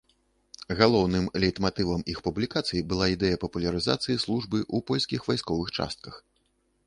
Галоўным лейтматывам іх публікацый была ідэя папулярызацыі службы ў польскіх вайсковых частках.